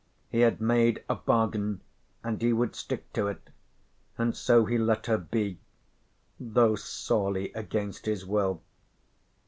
He had made a bargain and he would stick to it, and so he let her be, though sorely against his will.